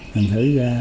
hình thử ra